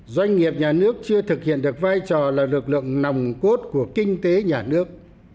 doanh nghiệp nhà nước chưa thực hiện được vai trò là lực lượng nòng cốt của kinh tế nhà nước